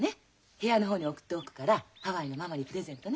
部屋の方に送っておくからハワイのママにプレゼントね。